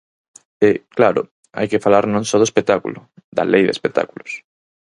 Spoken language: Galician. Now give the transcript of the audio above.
E, claro, hai que falar non só do espectáculo, da Lei de espectáculos.